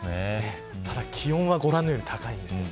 ただ気温はご覧のように高いんです。